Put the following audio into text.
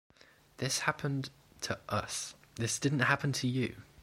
This happened to us, this didn't happen to you.